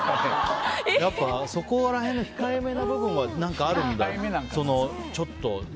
やっぱ、そこら辺控えめな部分はあるんだ。